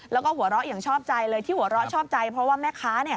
แล้วก็หัวเราะอย่างชอบใจเลยที่หัวเราะชอบใจเพราะว่าแม่ค้า